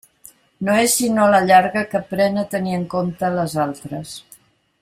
No és sinó a la llarga que aprèn a tenir en compte les altres.